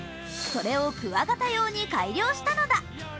それをクワガタ用に改良したのだ。